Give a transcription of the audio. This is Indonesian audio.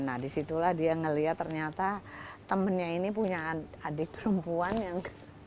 nah disitulah dia melihat ternyata temennya ini punya adik perempuan yang